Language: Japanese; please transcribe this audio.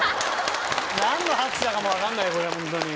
何の拍手だかも分かんないホントに。